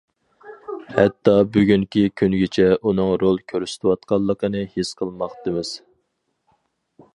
ھەتتا بۈگۈنكى كۈنگىچە ئۇنىڭ رول كۆرسىتىۋاتقانلىقىنى ھېس قىلماقتىمىز.